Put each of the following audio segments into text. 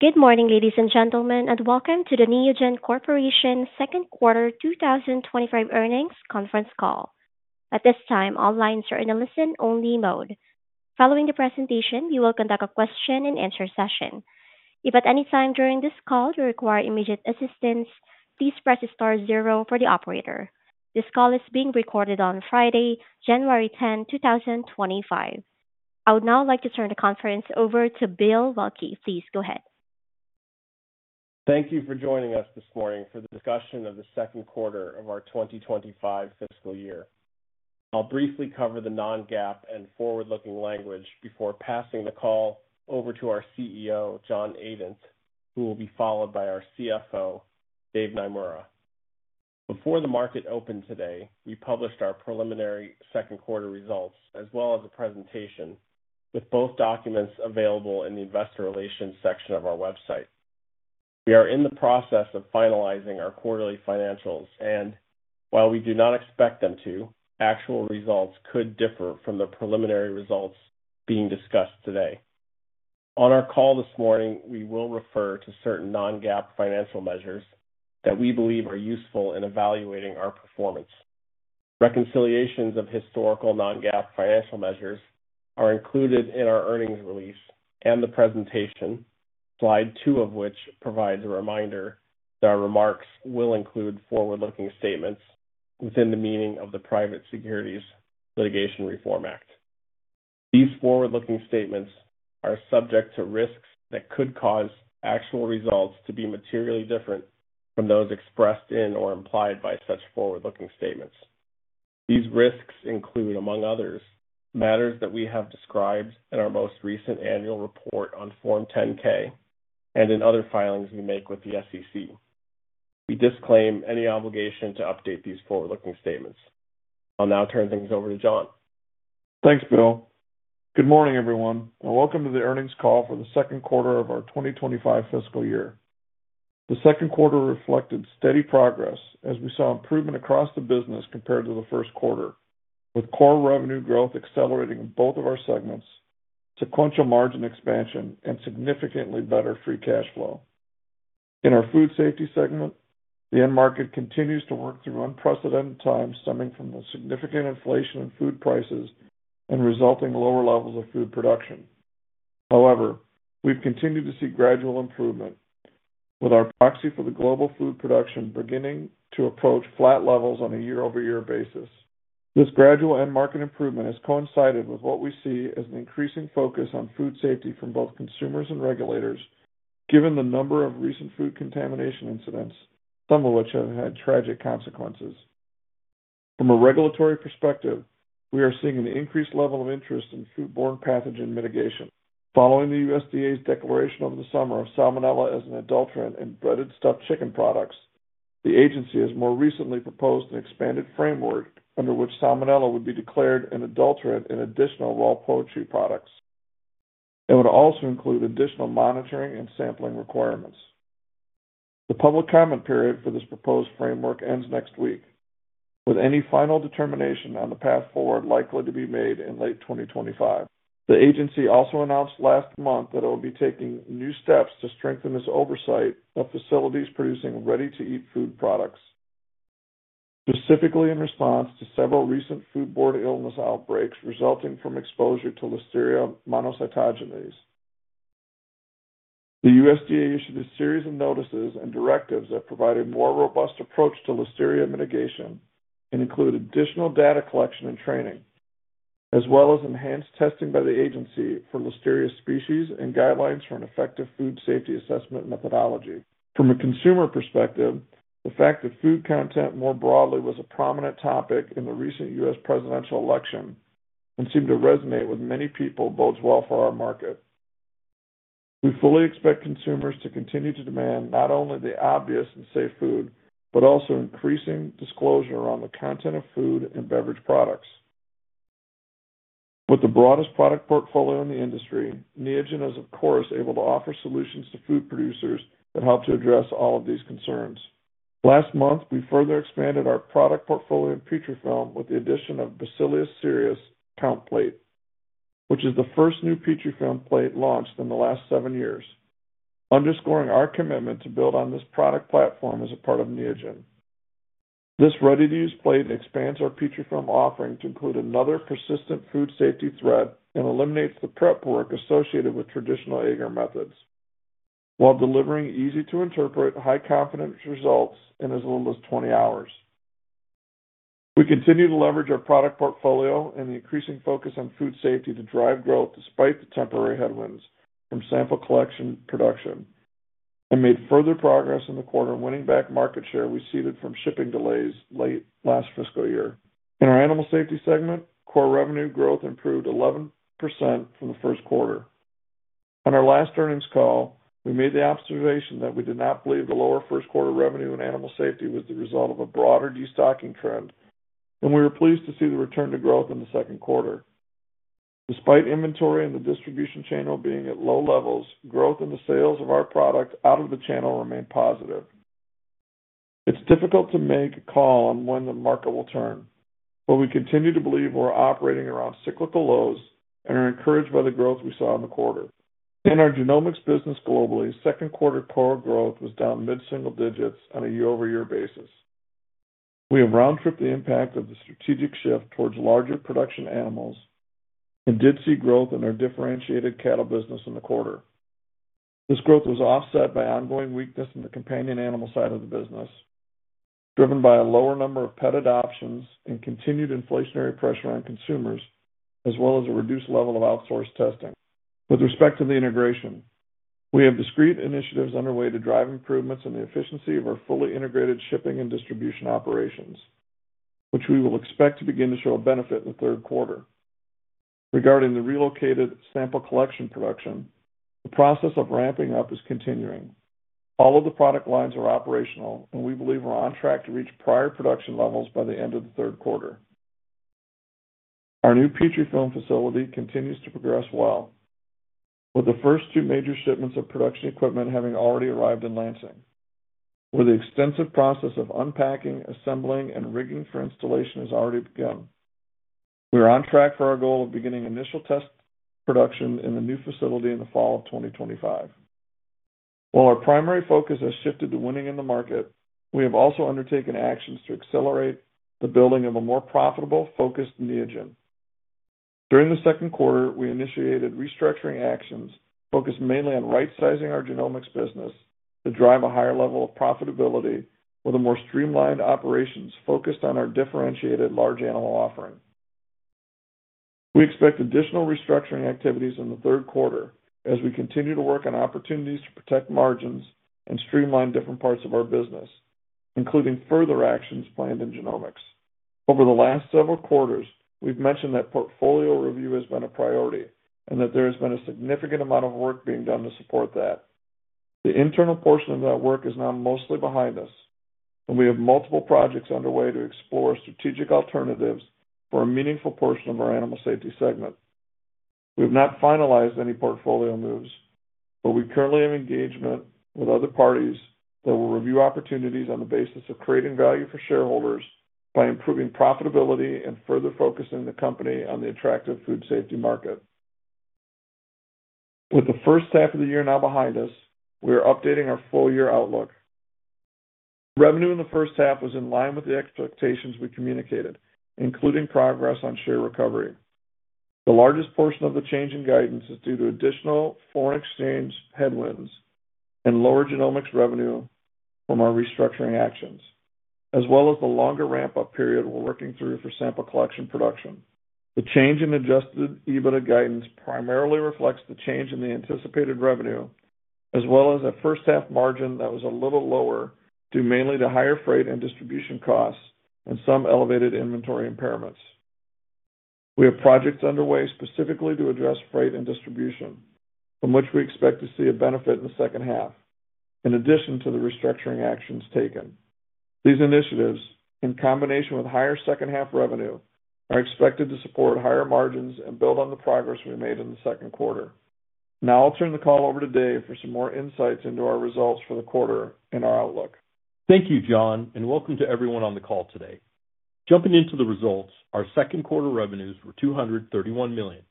Good morning, ladies and gentlemen, and welcome to the Neogen Corporation Second Quarter 2025 earnings conference call. At this time, all lines are in a listen-only mode. Following the presentation, we will conduct a question-and-answer session. If at any time during this call you require immediate assistance, please press star zero for the operator. This call is being recorded on Friday, January 10, 2025. I would now like to turn the conference over to Bill Waelke. Please go ahead. Thank you for joining us this morning for the discussion of the second quarter of our 2025 fiscal year. I'll briefly cover the non-GAAP and forward-looking language before passing the call over to our CEO, John Adent, who will be followed by our CFO, Dave Naemura. Before the market opened today, we published our preliminary second quarter results as well as a presentation, with both documents available in the investor relations section of our website. We are in the process of finalizing our quarterly financials, and while we do not expect them to, actual results could differ from the preliminary results being discussed today. On our call this morning, we will refer to certain non-GAAP financial measures that we believe are useful in evaluating our performance. Reconciliations of historical non-GAAP financial measures are included in our earnings release and the presentation, slide two of which provides a reminder that our remarks will include forward-looking statements within the meaning of the Private Securities Litigation Reform Act. These forward-looking statements are subject to risks that could cause actual results to be materially different from those expressed in or implied by such forward-looking statements. These risks include, among others, matters that we have described in our most recent annual report on Form 10-K and in other filings we make with the SEC. We disclaim any obligation to update these forward-looking statements. I'll now turn things over to John. Thanks, Bill. Good morning, everyone, and welcome to the earnings call for the second quarter of our 2025 fiscal year. The second quarter reflected steady progress as we saw improvement across the business compared to the first quarter, with core revenue growth accelerating in both of our segments, sequential margin expansion, and significantly better free cash flow. In our food safety segment, the end market continues to work through unprecedented times stemming from the significant inflation in food prices and resulting lower levels of food production. However, we've continued to see gradual improvement, with our proxy for the global food production beginning to approach flat levels on a year-over-year basis. This gradual end market improvement has coincided with what we see as an increasing focus on food safety from both consumers and regulators, given the number of recent food contamination incidents, some of which have had tragic consequences. From a regulatory perspective, we are seeing an increased level of interest in foodborne pathogen mitigation. Following the USDA's declaration over the summer of Salmonella as an adulterant in breaded stuffed chicken products, the agency has more recently proposed an expanded framework under which Salmonella would be declared an adulterant in additional raw poultry products. It would also include additional monitoring and sampling requirements. The public comment period for this proposed framework ends next week, with any final determination on the path forward likely to be made in late 2025. The agency also announced last month that it will be taking new steps to strengthen its oversight of facilities producing ready-to-eat food products, specifically in response to several recent foodborne illness outbreaks resulting from exposure to Listeria monocytogenes. The USDA issued a series of notices and directives that provide a more robust approach to Listeria mitigation and include additional data collection and training, as well as enhanced testing by the agency for Listeria species and guidelines for an effective food safety assessment methodology. From a consumer perspective, the fact that food content more broadly was a prominent topic in the recent U.S. presidential election and seemed to resonate with many people bodes well for our market. We fully expect consumers to continue to demand not only the obvious and safe food but also increasing disclosure on the content of food and beverage products. With the broadest product portfolio in the industry, Neogen is, of course, able to offer solutions to food producers that help to address all of these concerns. Last month, we further expanded our product portfolio in Petrifilm with the addition of Petrifilm Bacillus cereus Count Plate, which is the first new Petrifilm plate launched in the last seven years, underscoring our commitment to build on this product platform as a part of Neogen. This ready-to-use plate expands our Petrifilm offering to include another persistent food safety threat and eliminates the prep work associated with traditional agar methods, while delivering easy-to-interpret, high-confidence results in as little as 20 hours. We continue to leverage our product portfolio and the increasing focus on food safety to drive growth despite the temporary headwinds from sample collection production, and made further progress in the quarter winning back market share we ceded from shipping delays late last fiscal year. In our animal safety segment, core revenue growth improved 11% from the first quarter. On our last earnings call, we made the observation that we did not believe the lower first quarter revenue in animal safety was the result of a broader destocking trend, and we were pleased to see the return to growth in the second quarter. Despite inventory in the distribution channel being at low levels, growth in the sales of our product out of the channel remained positive. It's difficult to make a call on when the market will turn, but we continue to believe we're operating around cyclical lows and are encouraged by the growth we saw in the quarter. In our genomics business globally, second quarter core growth was down mid-single digits on a year-over-year basis. We have round-tripped the impact of the strategic shift towards larger production animals and did see growth in our differentiated cattle business in the quarter. This growth was offset by ongoing weakness in the companion animal side of the business, driven by a lower number of pet med options and continued inflationary pressure on consumers, as well as a reduced level of outsourced testing. With respect to the integration, we have discrete initiatives underway to drive improvements in the efficiency of our fully integrated shipping and distribution operations, which we will expect to begin to show a benefit in the third quarter. Regarding the relocated sample collection production, the process of ramping up is continuing. All of the product lines are operational, and we believe we're on track to reach prior production levels by the end of the third quarter. Our new Petrifilm facility continues to progress well, with the first two major shipments of production equipment having already arrived in Lansing, where the extensive process of unpacking, assembling, and rigging for installation has already begun. We are on track for our goal of beginning initial test production in the new facility in the fall of 2025. While our primary focus has shifted to winning in the market, we have also undertaken actions to accelerate the building of a more profitable, focused Neogen. During the second quarter, we initiated restructuring actions focused mainly on right-sizing our genomics business to drive a higher level of profitability with a more streamlined operations focused on our differentiated large animal offering. We expect additional restructuring activities in the third quarter as we continue to work on opportunities to protect margins and streamline different parts of our business, including further actions planned in genomics. Over the last several quarters, we've mentioned that portfolio review has been a priority and that there has been a significant amount of work being done to support that. The internal portion of that work is now mostly behind us, and we have multiple projects underway to explore strategic alternatives for a meaningful portion of our animal safety segment. We have not finalized any portfolio moves, but we currently have engagement with other parties that will review opportunities on the basis of creating value for shareholders by improving profitability and further focusing the company on the attractive food safety market. With the first half of the year now behind us, we are updating our full-year outlook. Revenue in the first half was in line with the expectations we communicated, including progress on share recovery. The largest portion of the change in guidance is due to additional foreign exchange headwinds and lower Genomics revenue from our restructuring actions, as well as the longer ramp-up period we're working through for sample collection production. The change in Adjusted EBITDA guidance primarily reflects the change in the anticipated revenue, as well as a first-half margin that was a little lower due mainly to higher freight and distribution costs and some elevated inventory impairments. We have projects underway specifically to address freight and distribution, from which we expect to see a benefit in the second half, in addition to the restructuring actions taken. These initiatives, in combination with higher second-half revenue, are expected to support higher margins and build on the progress we made in the second quarter. Now I'll turn the call over to Dave for some more insights into our results for the quarter and our outlook. Thank you, John, and welcome to everyone on the call today. Jumping into the results, our second quarter revenues were $231 million.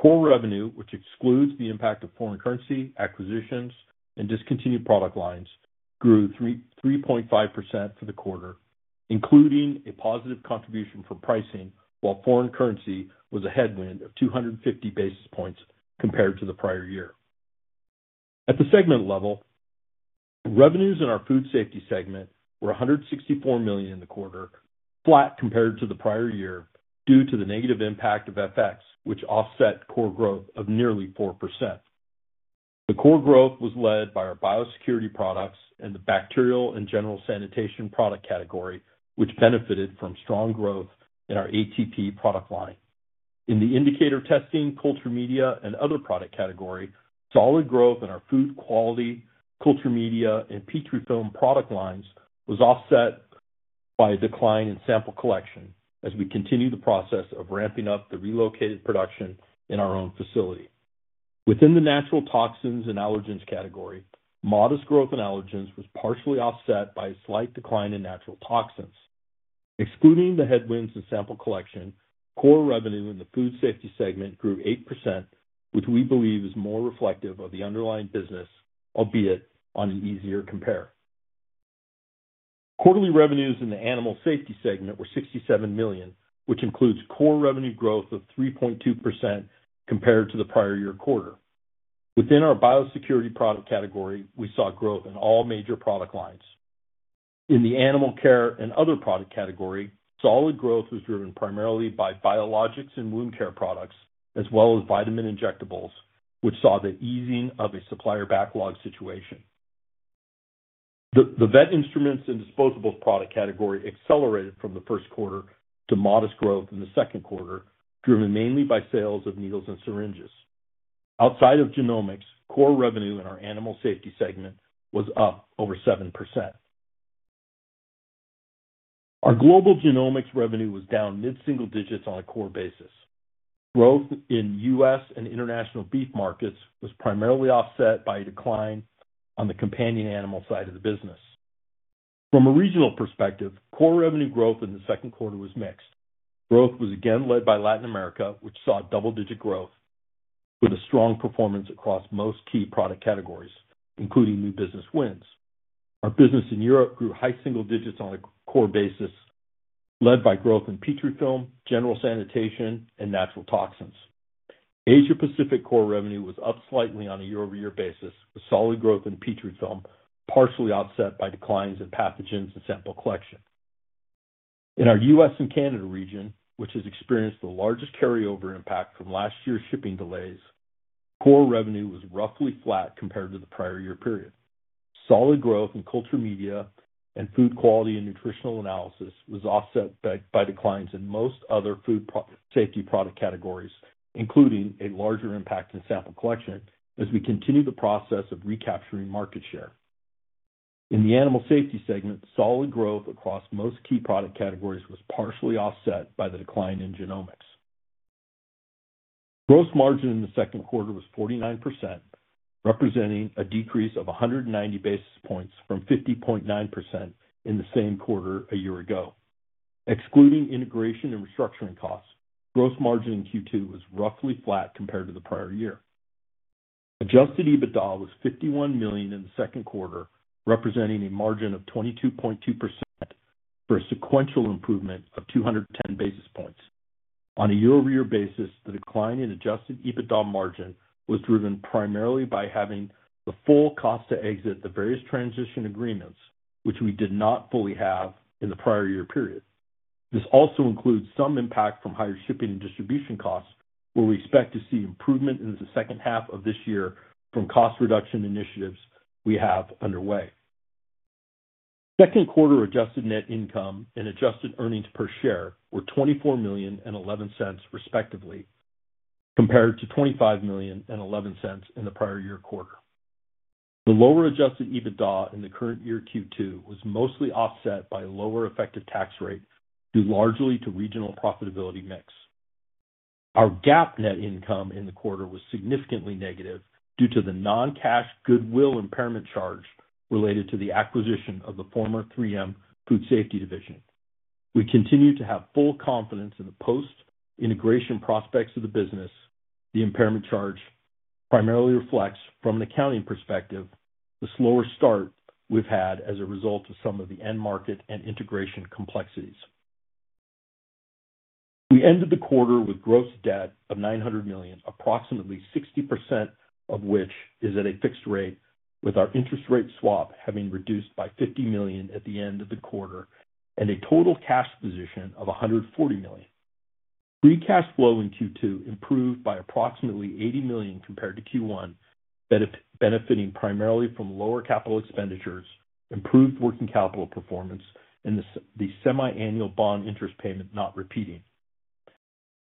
Core revenue, which excludes the impact of foreign currency acquisitions and discontinued product lines, grew 3.5% for the quarter, including a positive contribution from pricing, while foreign currency was a headwind of 250 basis points compared to the prior year. At the segment level, revenues in our food safety segment were $164 million in the quarter, flat compared to the prior year due to the negative impact of FX, which offset core growth of nearly 4%. The core growth was led by our biosecurity products and the bacterial and general sanitation product category, which benefited from strong growth in our ATP product line. In the indicator testing, culture media, and other product category, solid growth in our food quality, culture media, and Petrifilm product lines was offset by a decline in sample collection as we continue the process of ramping up the relocated production in our own facility. Within the natural toxins and allergens category, modest growth in allergens was partially offset by a slight decline in natural toxins. Excluding the headwinds in sample collection, core revenue in the food safety segment grew 8%, which we believe is more reflective of the underlying business, albeit on an easier compare. Quarterly revenues in the animal safety segment were $67 million, which includes core revenue growth of 3.2% compared to the prior year quarter. Within our biosecurity product category, we saw growth in all major product lines. In the animal care and other product category, solid growth was driven primarily by biologics and wound care products, as well as vitamin injectables, which saw the easing of a supplier backlog situation. The vet instruments and disposables product category accelerated from the first quarter to modest growth in the second quarter, driven mainly by sales of needles and syringes. Outside of genomics, core revenue in our animal safety segment was up over 7%. Our global genomics revenue was down mid-single digits on a core basis. Growth in U.S. and international beef markets was primarily offset by a decline on the companion animal side of the business. From a regional perspective, core revenue growth in the second quarter was mixed. Growth was again led by Latin America, which saw double-digit growth with a strong performance across most key product categories, including new business wins. Our business in Europe grew high single digits on a core basis, led by growth in Petrifilm, general sanitation, and natural toxins. Asia-Pacific core revenue was up slightly on a year-over-year basis, with solid growth in Petrifilm partially offset by declines in pathogens and sample collection. In our U.S. and Canada region, which has experienced the largest carryover impact from last year's shipping delays, core revenue was roughly flat compared to the prior year period. Solid growth in culture media and food quality and nutritional analysis was offset by declines in most other food safety product categories, including a larger impact in sample collection as we continue the process of recapturing market share. In the animal safety segment, solid growth across most key product categories was partially offset by the decline in genomics. Gross margin in the second quarter was 49%, representing a decrease of 190 basis points from 50.9% in the same quarter a year ago. Excluding integration and restructuring costs, gross margin in Q2 was roughly flat compared to the prior year. Adjusted EBITDA was $51 million in the second quarter, representing a margin of 22.2% for a sequential improvement of 210 basis points. On a year-over-year basis, the decline in adjusted EBITDA margin was driven primarily by having the full cost to exit the various transition agreements, which we did not fully have in the prior year period. This also includes some impact from higher shipping and distribution costs, where we expect to see improvement in the second half of this year from cost reduction initiatives we have underway. Second quarter adjusted net income and adjusted earnings per share were $24 million and $0.11, respectively, compared to $25 million and $0.11 in the prior year quarter. The lower Adjusted EBITDA in the current year Q2 was mostly offset by a lower effective tax rate due largely to regional profitability mix. Our GAAP net income in the quarter was significantly negative due to the non-cash goodwill impairment charge related to the acquisition of the former 3M Food Safety Division. We continue to have full confidence in the post-integration prospects of the business. The impairment charge primarily reflects, from an accounting perspective, the slower start we've had as a result of some of the end market and integration complexities. We ended the quarter with gross debt of $900 million, approximately 60% of which is at a fixed rate, with our interest rate swap having reduced by $50 million at the end of the quarter and a total cash position of $140 million. Free cash flow in Q2 improved by approximately $80 million compared to Q1, benefiting primarily from lower capital expenditures, improved working capital performance, and the semiannual bond interest payment not repeating.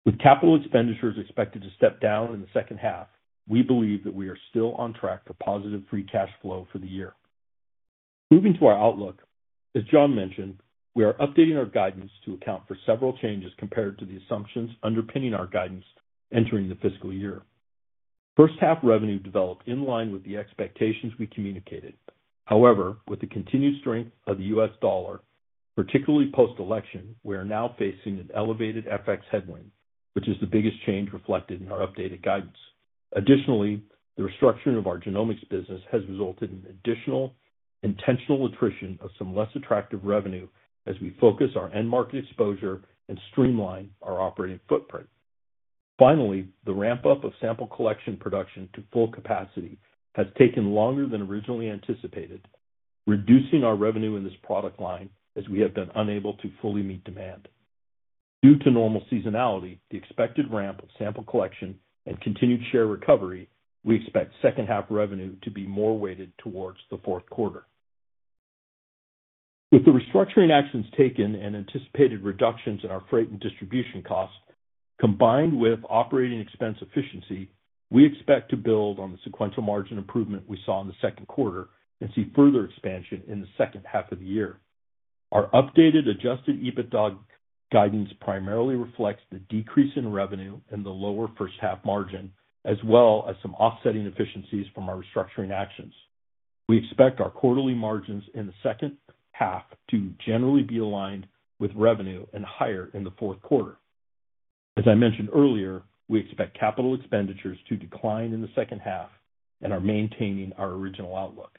With capital expenditures expected to step down in the second half, we believe that we are still on track for positive free cash flow for the year. Moving to our outlook, as John mentioned, we are updating our guidance to account for several changes compared to the assumptions underpinning our guidance entering the fiscal year. First-half revenue developed in line with the expectations we communicated. However, with the continued strength of the U.S. dollar, particularly post-election, we are now facing an elevated FX headwind, which is the biggest change reflected in our updated guidance. Additionally, the restructuring of our genomics business has resulted in additional intentional attrition of some less attractive revenue as we focus our end market exposure and streamline our operating footprint. Finally, the ramp-up of sample collection production to full capacity has taken longer than originally anticipated, reducing our revenue in this product line as we have been unable to fully meet demand. Due to normal seasonality, the expected ramp of sample collection and continued share recovery, we expect second-half revenue to be more weighted towards the fourth quarter. With the restructuring actions taken and anticipated reductions in our freight and distribution costs, combined with operating expense efficiency, we expect to build on the sequential margin improvement we saw in the second quarter and see further expansion in the second half of the year. Our updated Adjusted EBITDA guidance primarily reflects the decrease in revenue and the lower first-half margin, as well as some offsetting efficiencies from our restructuring actions. We expect our quarterly margins in the second half to generally be aligned with revenue and higher in the fourth quarter. As I mentioned earlier, we expect capital expenditures to decline in the second half and are maintaining our original outlook.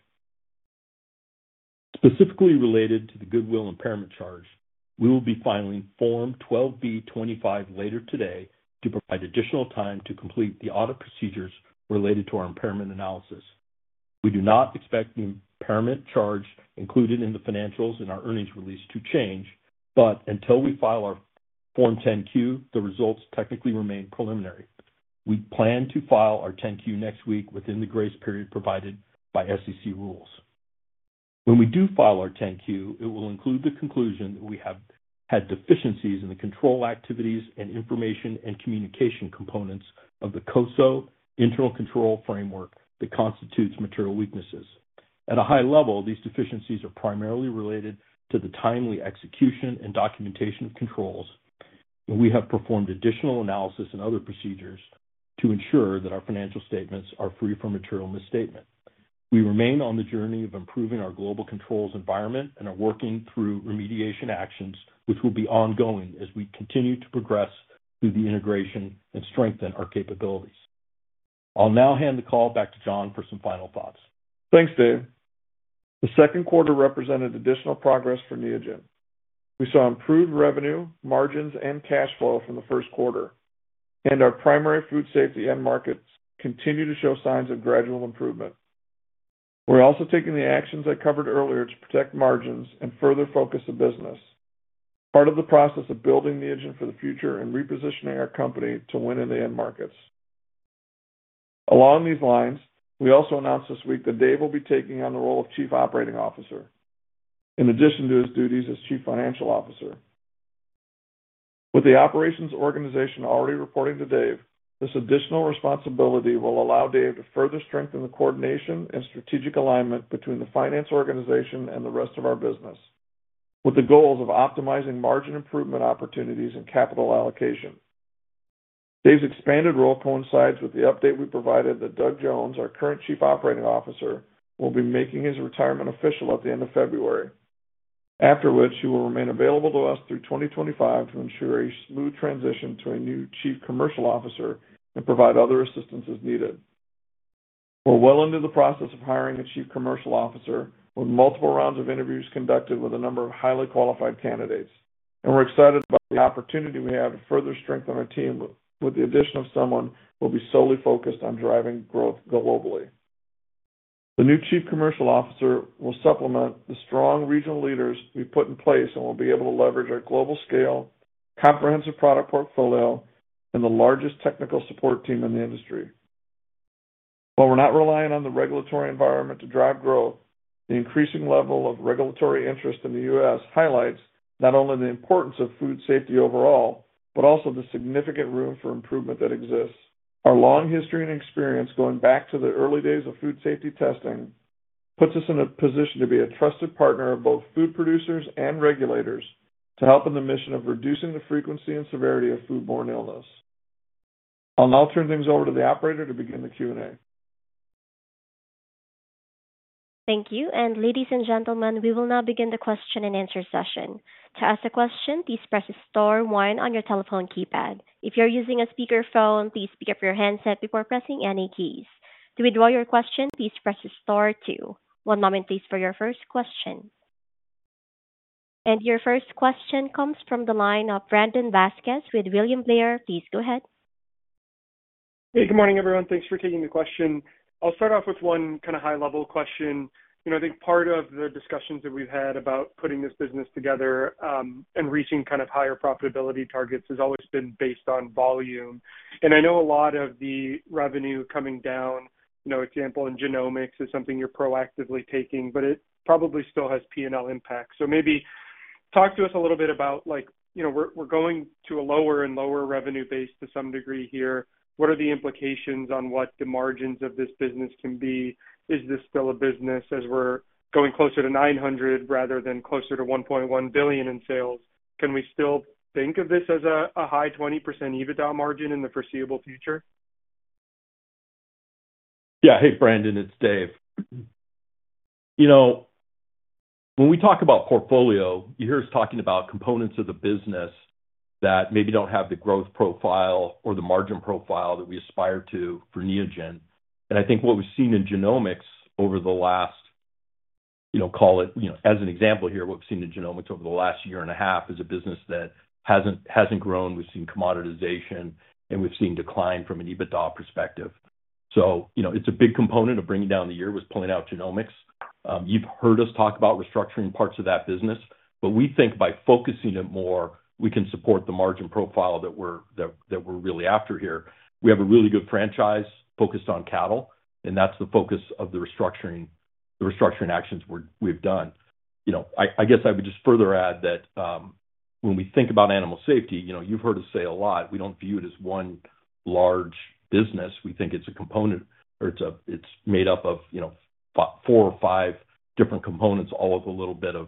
Specifically related to the goodwill impairment charge, we will be filing Form 12b-25 later today to provide additional time to complete the audit procedures related to our impairment analysis. We do not expect the impairment charge included in the financials in our earnings release to change, but until we file our Form 10-Q, the results technically remain preliminary. We plan to file our 10-Q next week within the grace period provided by SEC rules. When we do file our 10-Q, it will include the conclusion that we have had deficiencies in the control activities and information and communication components of the COSO internal control framework that constitutes material weaknesses. At a high level, these deficiencies are primarily related to the timely execution and documentation of controls, and we have performed additional analysis and other procedures to ensure that our financial statements are free from material misstatement. We remain on the journey of improving our global controls environment and are working through remediation actions, which will be ongoing as we continue to progress through the integration and strengthen our capabilities. I'll now hand the call back to John for some final thoughts. Thanks, Dave. The second quarter represented additional progress for Neogen. We saw improved revenue, margins, and cash flow from the first quarter, and our primary food safety end markets continue to show signs of gradual improvement. We're also taking the actions I covered earlier to protect margins and further focus the business, part of the process of building Neogen for the future and repositioning our company to win in the end markets. Along these lines, we also announced this week that Dave will be taking on the role of Chief Operating Officer, in addition to his duties as Chief Financial Officer. With the operations organization already reporting to Dave, this additional responsibility will allow Dave to further strengthen the coordination and strategic alignment between the finance organization and the rest of our business, with the goals of optimizing margin improvement opportunities and capital allocation. Dave's expanded role coincides with the update we provided that Doug Jones, our current Chief Operating Officer, will be making his retirement official at the end of February, after which he will remain available to us through 2025 to ensure a smooth transition to a new Chief Commercial Officer and provide other assistance as needed. We're well into the process of hiring a Chief Commercial Officer, with multiple rounds of interviews conducted with a number of highly qualified candidates, and we're excited about the opportunity we have to further strengthen our team with the addition of someone who will be solely focused on driving growth globally. The new Chief Commercial Officer will supplement the strong regional leaders we put in place and will be able to leverage our global scale, comprehensive product portfolio, and the largest technical support team in the industry. While we're not relying on the regulatory environment to drive growth, the increasing level of regulatory interest in the U.S. highlights not only the importance of food safety overall, but also the significant room for improvement that exists. Our long history and experience going back to the early days of food safety testing puts us in a position to be a trusted partner of both food producers and regulators to help in the mission of reducing the frequency and severity of foodborne illness. I'll now turn things over to the operator to begin the Q&A. Thank you. And ladies and gentlemen, we will now begin the question and answer session. To ask a question, please press Star 1 on your telephone keypad. If you're using a speakerphone, please pick up your handset before pressing any keys. To withdraw your question, please press Star 2. One moment, please, for your first question. And your first question comes from the line of Brandon Vazquez with William Blair. Please go ahead. Hey, good morning, everyone. Thanks for taking the question. I'll start off with one kind of high-level question. I think part of the discussions that we've had about putting this business together and reaching kind of higher profitability targets has always been based on volume. And I know a lot of the revenue coming down, example, in genomics is something you're proactively taking, but it probably still has P&L impact. So maybe talk to us a little bit about we're going to a lower and lower revenue base to some degree here. What are the implications on what the margins of this business can be? Is this still a business as we're going closer to 900 rather than closer to 1.1 billion in sales? Can we still think of this as a high 20% EBITDA margin in the foreseeable future? Yeah. Hey, Brandon, it's Dave. When we talk about portfolio, you hear us talking about components of the business that maybe don't have the growth profile or the margin profile that we aspire to for Neogen, and I think what we've seen in genomics over the last, call it, as an example here, what we've seen in genomics over the last year and a half is a business that hasn't grown. We've seen commoditization, and we've seen decline from an EBITDA perspective. So it's a big component of bringing down the year was pulling out genomics. You've heard us talk about restructuring parts of that business, but we think by focusing it more, we can support the margin profile that we're really after here. We have a really good franchise focused on cattle, and that's the focus of the restructuring actions we've done. I guess I would just further add that when we think about animal safety, you've heard us say a lot. We don't view it as one large business. We think it's a component, or it's made up of four or five different components, all with a little bit of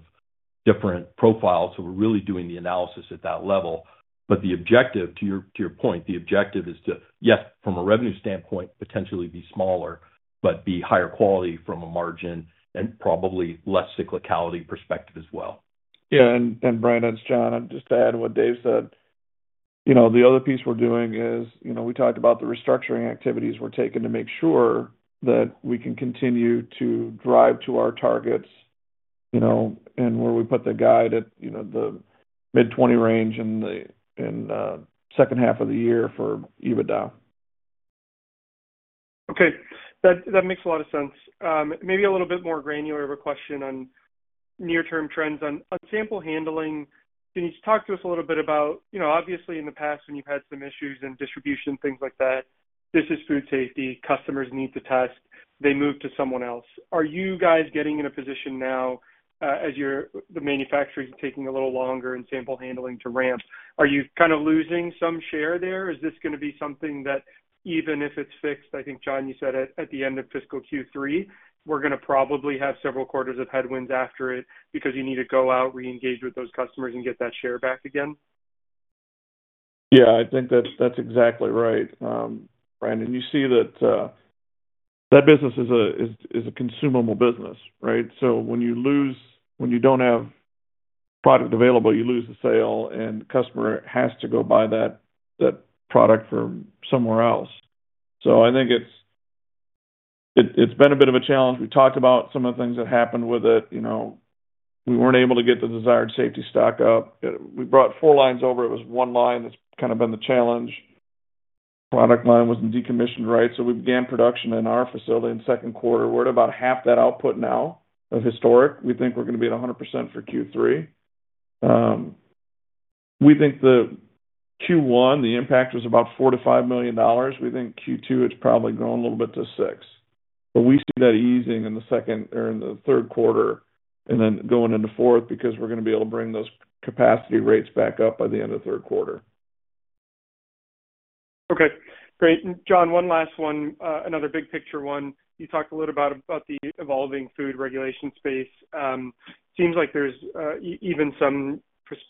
different profiles. So we're really doing the analysis at that level. But the objective, to your point, the objective is to, yes, from a revenue standpoint, potentially be smaller, but be higher quality from a margin and probably less cyclicality perspective as well. Yeah. And Brandon, it's John. I'd just add what Dave said. The other piece we're doing is we talked about the restructuring activities we're taking to make sure that we can continue to drive to our targets and where we put the guide at the mid-20 range in the second half of the year for EBITDA. Okay. That makes a lot of sense. Maybe a little bit more granular of a question on near-term trends. On sample handling, can you talk to us a little bit about, obviously, in the past, when you've had some issues in distribution, things like that, this is food safety. Customers need to test. They move to someone else. Are you guys getting in a position now as the manufacturers are taking a little longer in sample handling to ramp? Are you kind of losing some share there? Is this going to be something that, even if it's fixed, I think, John, you said at the end of fiscal Q3, we're going to probably have several quarters of headwinds after it because you need to go out, re-engage with those customers, and get that share back again? Yeah. I think that's exactly right, Brandon. You see that that business is a consumable business, right? So when you don't have product available, you lose the sale, and the customer has to go buy that product from somewhere else. So I think it's been a bit of a challenge. We talked about some of the things that happened with it. We weren't able to get the desired safety stock up. We brought four lines over. It was one line that's kind of been the challenge. Product line wasn't decommissioned, right? So we began production in our facility in second quarter. We're at about half that output now of historic. We think we're going to be at 100% for Q3. We think the Q1, the impact was about $4-$5 million. We think Q2, it's probably grown a little bit to $6 million. But we see that easing in the second or in the third quarter and then going into fourth because we're going to be able to bring those capacity rates back up by the end of third quarter. Okay. Great, and John, one last one, another big-picture one. You talked a little bit about the evolving food regulation space. It seems like there's even some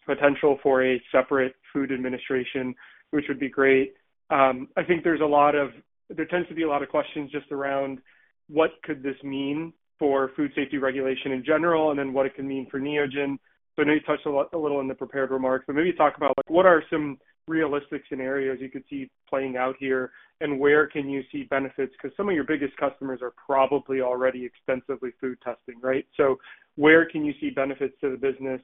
potential for a separate food administration, which would be great. I think there tends to be a lot of questions just around what could this mean for food safety regulation in general and then what it can mean for Neogen. So I know you touched a little in the prepared remarks, but maybe talk about what are some realistic scenarios you could see playing out here and where can you see benefits? Because some of your biggest customers are probably already extensively food testing, right? So where can you see benefits to the business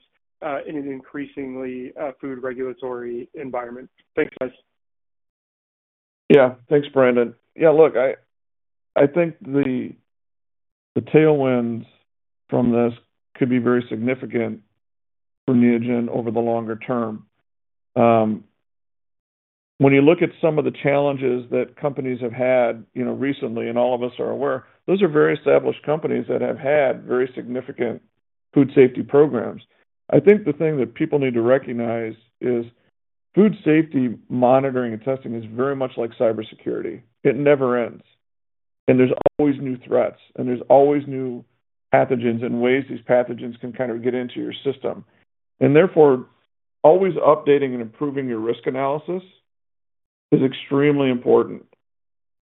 in an increasingly food regulatory environment? Thanks, guys. Yeah. Thanks, Brandon. Yeah. Look, I think the tailwinds from this could be very significant for Neogen over the longer term. When you look at some of the challenges that companies have had recently, and all of us are aware, those are very established companies that have had very significant food safety programs. I think the thing that people need to recognize is food safety monitoring and testing is very much like cybersecurity. It never ends. And there's always new threats, and there's always new pathogens and ways these pathogens can kind of get into your system. And therefore, always updating and improving your risk analysis is extremely important.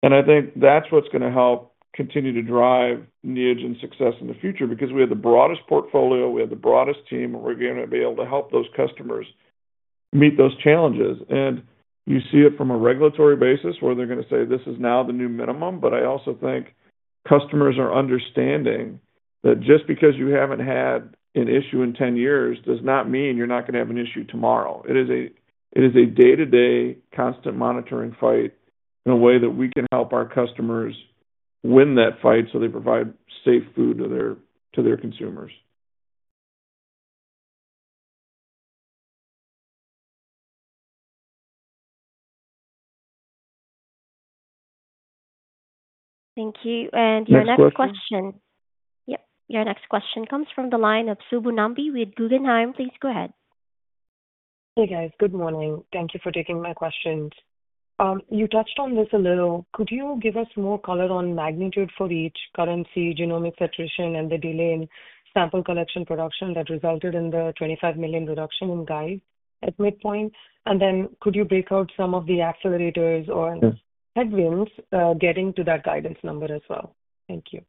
And I think that's what's going to help continue to drive Neogen's success in the future because we have the broadest portfolio. We have the broadest team, and we're going to be able to help those customers meet those challenges. And you see it from a regulatory basis where they're going to say, "This is now the new minimum," but I also think customers are understanding that just because you haven't had an issue in 10 years does not mean you're not going to have an issue tomorrow. It is a day-to-day constant monitoring fight in a way that we can help our customers win that fight so they provide safe food to their consumers. Thank you. And your next question. Thanks, Lisa. Yep. Your next question comes from the line of Subbu Nambi with Guggenheim. Please go ahead. Hey, guys. Good morning. Thank you for taking my questions. You touched on this a little. Could you give us more color on magnitude for each currency, Genomics iteration, and the delay in sample collection production that resulted in the $25 million reduction in guide at midpoint? And then could you break out some of the accelerators or headwinds getting to that guidance number as well? Thank you.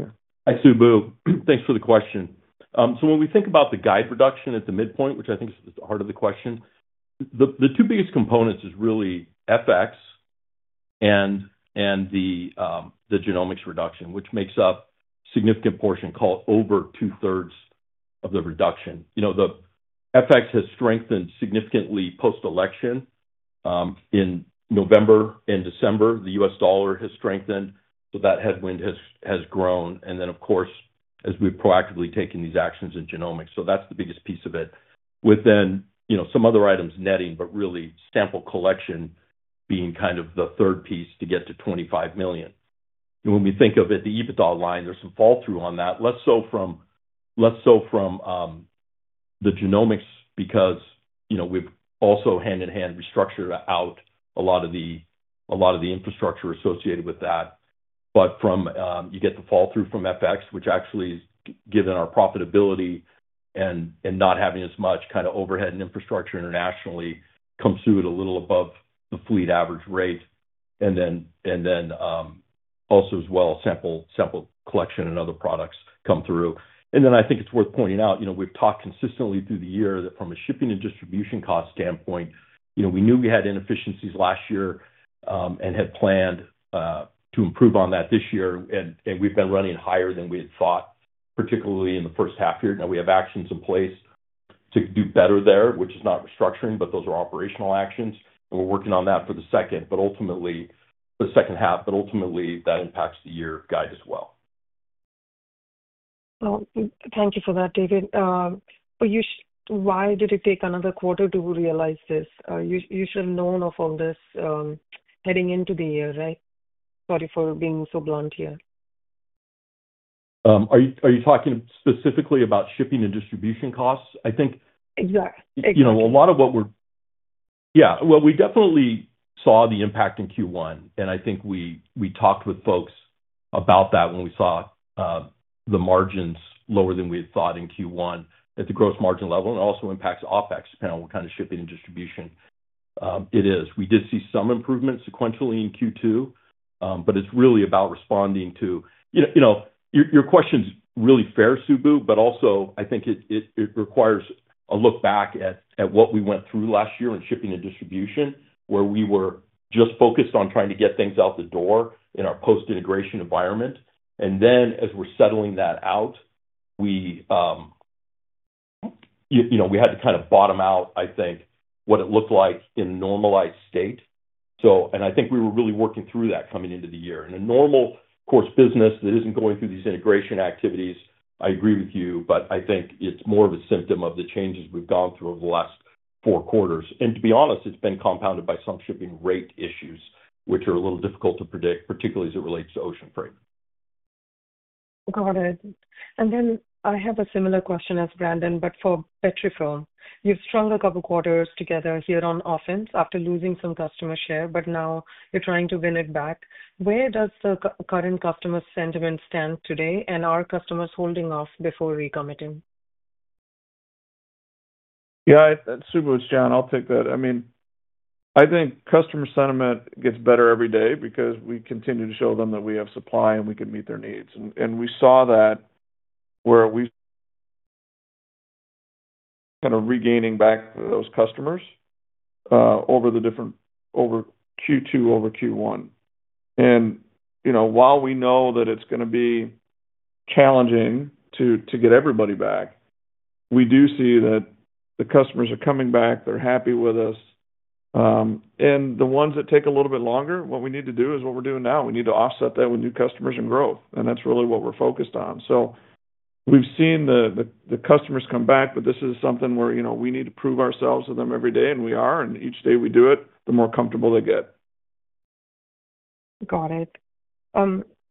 Hi, Subbu. Thanks for the question. So when we think about the guide reduction at the midpoint, which I think is the heart of the question, the two biggest components are really FX and the genomics reduction, which makes up a significant portion called over two-thirds of the reduction. The FX has strengthened significantly post-election in November and December. The U.S. dollar has strengthened, so that headwind has grown. And then, of course, as we've proactively taken these actions in genomics. So that's the biggest piece of it, with then some other items, netting, but really sample collection being kind of the third piece to get to 25 million. And when we think of it, the EBITDA line, there's some fall-through on that, less so from the genomics because we've also hand-in-hand restructured out a lot of the infrastructure associated with that. But you get the fall-through from FX, which actually, given our profitability and not having as much kind of overhead and infrastructure internationally, comes through at a little above the fleet average rate. And then also, as well, sample collection and other products come through. And then I think it's worth pointing out, we've talked consistently through the year that from a shipping and distribution cost standpoint, we knew we had inefficiencies last year and had planned to improve on that this year. And we've been running higher than we had thought, particularly in the first half year. Now, we have actions in place to do better there, which is not restructuring, but those are operational actions. And we're working on that for the second half, but ultimately, that impacts the year guide as well. Thank you for that, David. Why did it take another quarter to realize this? You should have known of all this heading into the year, right? Sorry for being so blunt here. Are you talking specifically about shipping and distribution costs? I think. Exactly. Exactly. Yeah. Well, we definitely saw the impact in Q1, and I think we talked with folks about that when we saw the margins lower than we had thought in Q1 at the gross margin level. And it also impacts OpEx, kind of shipping and distribution. We did see some improvements sequentially in Q2, but it's really about responding to your question's really fair, Subbu, but also, I think it requires a look back at what we went through last year in shipping and distribution, where we were just focused on trying to get things out the door in our post-integration environment. And then, as we're settling that out, we had to kind of bottom out, I think, what it looked like in a normalized state. And I think we were really working through that coming into the year. In a normal, of course, business that isn't going through these integration activities, I agree with you, but I think it's more of a symptom of the changes we've gone through over the last four quarters. And to be honest, it's been compounded by some shipping rate issues, which are a little difficult to predict, particularly as it relates to ocean freight. Got it. And then I have a similar question as Brandon, but for Petrifilm. You've strung a couple of quarters together here on offense after losing some customer share, but now you're trying to win it back. Where does the current customer sentiment stand today, and are customers holding off before recommitting? Yeah. Subbu, it's John. I'll take that. I mean, I think customer sentiment gets better every day because we continue to show them that we have supply and we can meet their needs. And we saw that where we're kind of regaining back those customers over Q2, over Q1. And while we know that it's going to be challenging to get everybody back, we do see that the customers are coming back. They're happy with us. And the ones that take a little bit longer, what we need to do is what we're doing now. We need to offset that with new customers and growth. And that's really what we're focused on. So we've seen the customers come back, but this is something where we need to prove ourselves to them every day, and we are. And each day we do it, the more comfortable they get. Got it.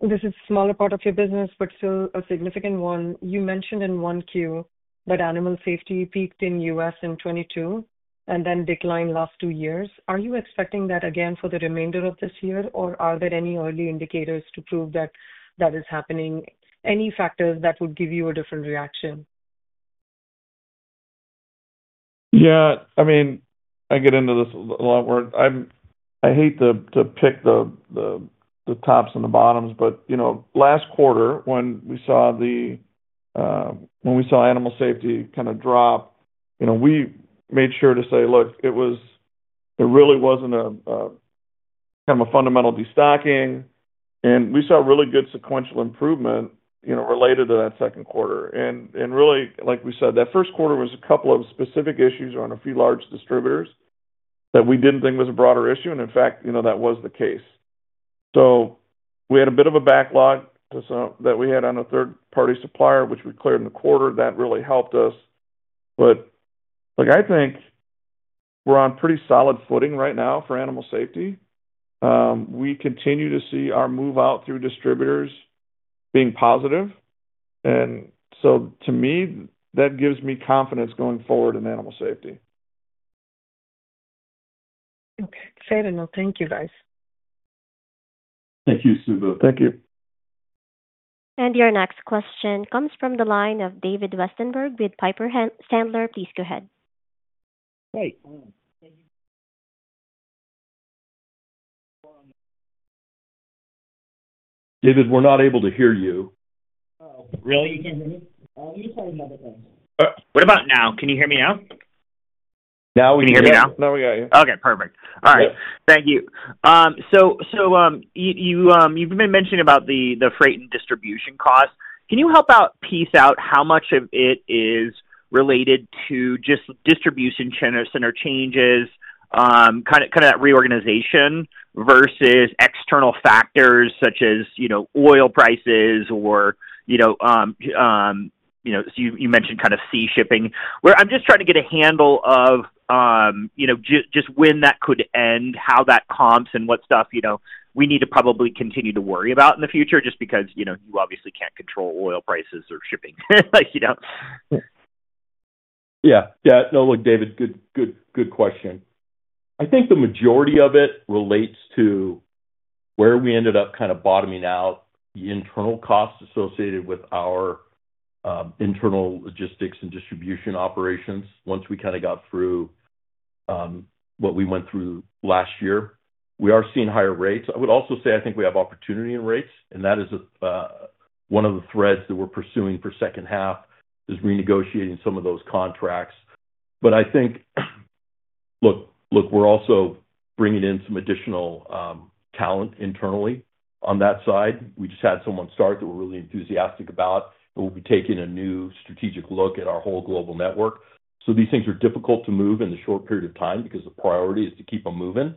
This is a smaller part of your business, but still a significant one. You mentioned in one Q that animal safety peaked in U.S. in 2022 and then declined last two years. Are you expecting that again for the remainder of this year, or are there any early indicators to prove that that is happening, any factors that would give you a different reaction? Yeah. I mean, I get into this a lot. I hate to pick the tops and the bottoms, but last quarter, when we saw animal safety kind of drop, we made sure to say, "Look, it really wasn't kind of a fundamental destocking," and we saw really good sequential improvement related to that second quarter, and really, like we said, that first quarter was a couple of specific issues on a few large distributors that we didn't think was a broader issue, and in fact, that was the case, so we had a bit of a backlog that we had on a third-party supplier, which we cleared in the quarter. That really helped us, but I think we're on pretty solid footing right now for animal safety. We continue to see our move out through distributors being positive. And so to me, that gives me confidence going forward in animal safety. Okay. Fair enough. Thank you, guys. Thank you, Subbu. Thank you. Your next question comes from the line of David Westenberg with Piper Sandler. Please go ahead. Hey. David, we're not able to hear you. Really? You can't hear me? You're talking about the thing. What about now? Can you hear me now? Now we can hear you. Can you hear me now? Now we got you. Okay. Perfect. All right. Thank you. So you've been mentioning about the freight and distribution costs. Can you help out piece out how much of it is related to just distribution center changes, kind of that reorganization versus external factors such as oil prices or so you mentioned kind of sea shipping. I'm just trying to get a handle of just when that could end, how that comps, and what stuff we need to probably continue to worry about in the future just because you obviously can't control oil prices or shipping. Yeah. Yeah. No, look, David, good question. I think the majority of it relates to where we ended up kind of bottoming out the internal costs associated with our internal logistics and distribution operations once we kind of got through what we went through last year. We are seeing higher rates. I would also say I think we have opportunity in rates, and that is one of the threads that we're pursuing for second half, is renegotiating some of those contracts. But I think, look, we're also bringing in some additional talent internally on that side. We just had someone start that we're really enthusiastic about, and we'll be taking a new strategic look at our whole global network. So these things are difficult to move in the short period of time because the priority is to keep them moving,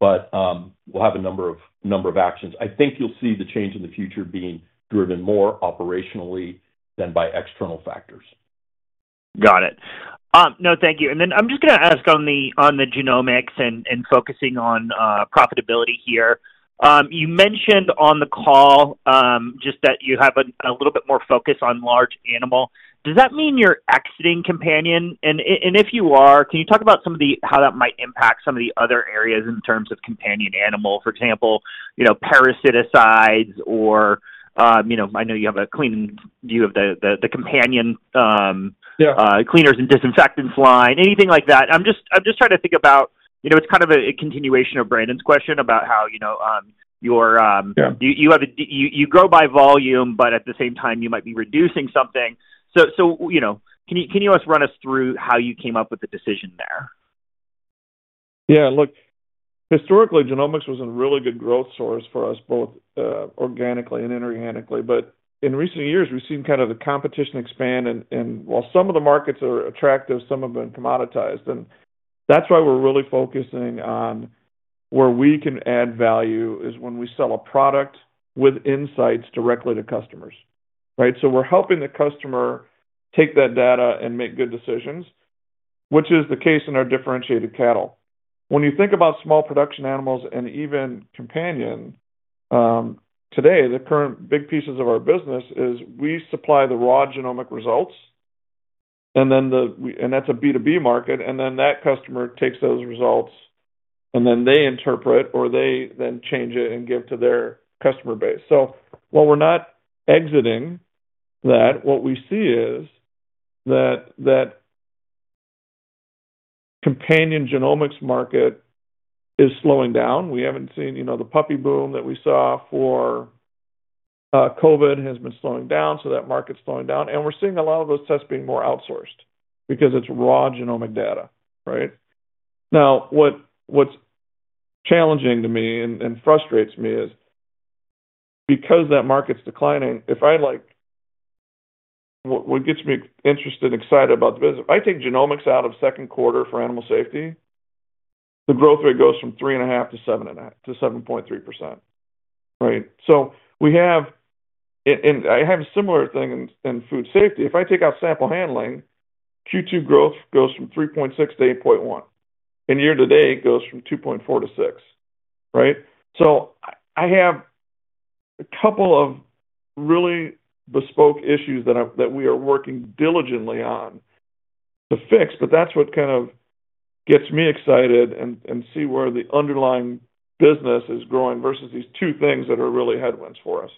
but we'll have a number of actions. I think you'll see the change in the future being driven more operationally than by external factors. Got it. No, thank you. And then I'm just going to ask on the genomics and focusing on profitability here. You mentioned on the call just that you have a little bit more focus on large animal. Does that mean you're exiting companion? And if you are, can you talk about how that might impact some of the other areas in terms of companion animal, for example, parasiticides? Or I know you have a clean view of the companion cleaners and disinfectants line, anything like that. I'm just trying to think about it's kind of a continuation of Brandon's question about how you're grow by volume, but at the same time, you might be reducing something. So can you just run us through how you came up with the decision there? Yeah. Look, historically, genomics was a really good growth source for us, both organically and inorganically. But in recent years, we've seen kind of the competition expand. And while some of the markets are attractive, some have been commoditized. And that's why we're really focusing on where we can add value is when we sell a product with insights directly to customers, right? So we're helping the customer take that data and make good decisions, which is the case in our differentiated cattle. When you think about small production animals and even companion, today, the current big pieces of our business is we supply the raw genomic results, and that's a B2B market. And then that customer takes those results, and then they interpret or they then change it and give to their customer base. So while we're not exiting that, what we see is that companion genomics market is slowing down. We haven't seen the puppy boom that we saw for COVID has been slowing down, so that market's slowing down. And we're seeing a lot of those tests being more outsourced because it's raw genomic data, right? Now, what's challenging to me and frustrates me is because that market's declining, if I what gets me interested and excited about the business, if I take genomics out of second quarter for animal safety, the growth rate goes from 3.5%-7.3%, right? So we have and I have a similar thing in food safety. If I take out sample handling, Q2 growth goes from 3.6%-8.1%. And year to date, it goes from 2.4%-6%, right? So I have a couple of really bespoke issues that we are working diligently on to fix, but that's what kind of gets me excited and see where the underlying business is growing versus these two things that are really headwinds for us.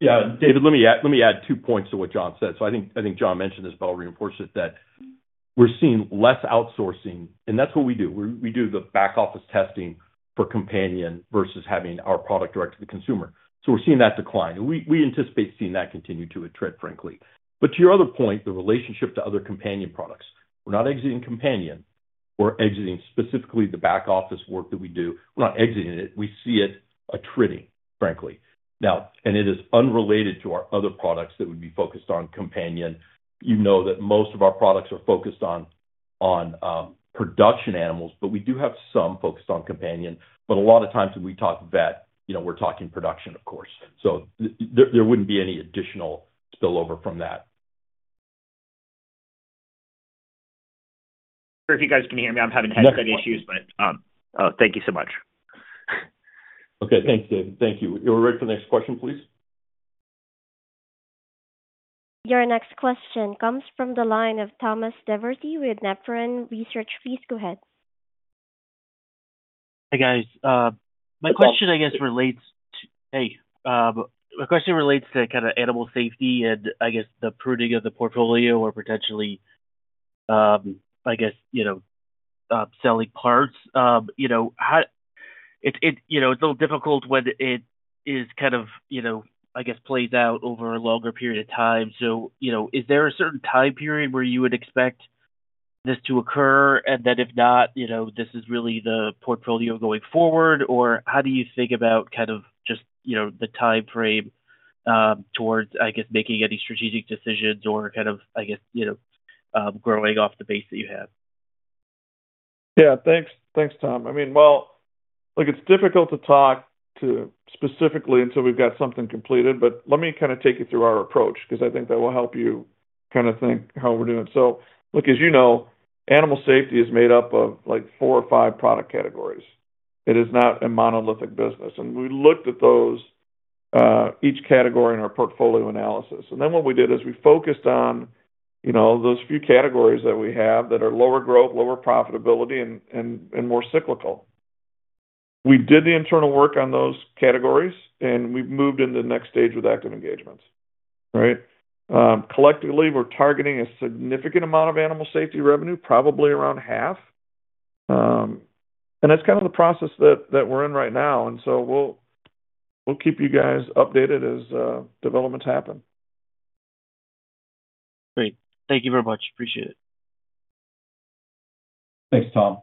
Yeah. David, let me add two points to what John said. So I think John mentioned this about reinforcement that we're seeing less outsourcing, and that's what we do. We do the back office testing for companion versus having our product direct to the consumer. So we're seeing that decline. We anticipate seeing that continue to a trend, frankly. But to your other point, the relationship to other companion products, we're not exiting companion. We're exiting specifically the back office work that we do. We're not exiting it. We see it attriting, frankly. Now, and it is unrelated to our other products that would be focused on companion. You know that most of our products are focused on production animals, but we do have some focused on companion. But a lot of times when we talk vet, we're talking production, of course. So there wouldn't be any additional spillover from that. I'm not sure if you guys can hear me. I'm having headset issues, but thank you so much. Okay. Thanks, David. Thank you. You're ready for the next question, please? Your next question comes from the line of Thomas DeBourcy with Nephron Research. Please go ahead. Hey, guys. My question, I guess, relates to kind of animal safety and, I guess, the pruning of the portfolio or potentially, I guess, selling parts. It's a little difficult when it is kind of, I guess, plays out over a longer period of time. So is there a certain time period where you would expect this to occur? And then if not, this is really the portfolio going forward, or how do you think about kind of just the time frame towards, I guess, making any strategic decisions or kind of, I guess, growing off the base that you have? Yeah. Thanks, Tom. I mean, well, look, it's difficult to talk to specifically until we've got something completed, but let me kind of take you through our approach because I think that will help you kind of think how we're doing. So look, as you know, animal safety is made up of four or five product categories. It is not a monolithic business. And we looked at those, each category in our portfolio analysis. And then what we did is we focused on those few categories that we have that are lower growth, lower profitability, and more cyclical. We did the internal work on those categories, and we've moved into the next stage with active engagements, right? Collectively, we're targeting a significant amount of animal safety revenue, probably around half. And that's kind of the process that we're in right now. And so we'll keep you guys updated as developments happen. Great. Thank you very much. Appreciate it. Thanks, Tom.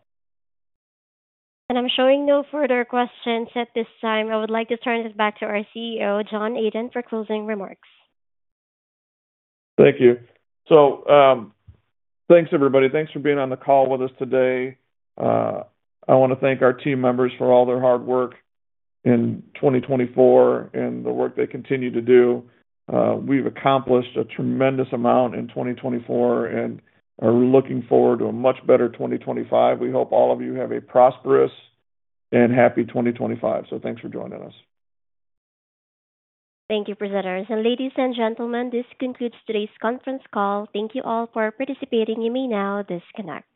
I'm showing no further questions at this time. I would like to turn it back to our CEO, John Adent, for closing remarks. Thank you. So thanks, everybody. Thanks for being on the call with us today. I want to thank our team members for all their hard work in 2024 and the work they continue to do. We've accomplished a tremendous amount in 2024 and are looking forward to a much better 2025. We hope all of you have a prosperous and happy 2025. So thanks for joining us. Thank you, presenters. And ladies and gentlemen, this concludes today's conference call. Thank you all for participating. You may now disconnect.